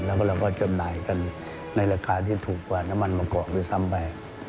แล้วก็เราก็จำหน่ายกันในราคาที่ถูกกว่าน้ำมันมะกอกด้วยซ้ำไป